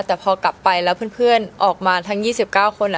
แต่พอกลับไปแล้วเพื่อนออกมาทั้ง๒๙คน